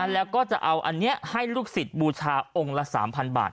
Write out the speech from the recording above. แล้วก็จะเอาอันนี้ให้ลูกศิษย์บูชาองค์ละ๓๐๐บาท